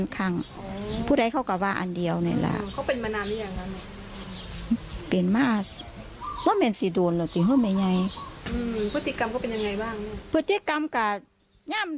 คือติดยาอันนั้นแหละ